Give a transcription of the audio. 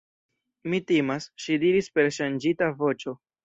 Mi timas, ŝi diris per ŝanĝita voĉo.